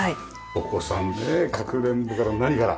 お子さんねかくれんぼから何から。